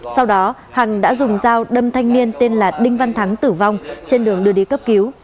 sau đó hằng đã dùng dao đâm thanh niên tên là đinh văn thắng tử vong trên đường đưa đi cấp cứu